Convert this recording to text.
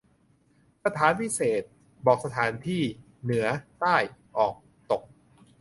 สถานวิเศษณ์ บอกสถานที่ เหนือ ใต้ ออก ตก